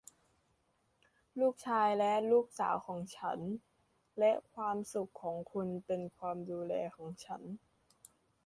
ลูกชายและลูกสาวของฉัน และความสุขของคุณเป็นความดูแลของฉัน